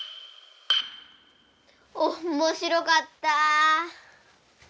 おっもしろかった。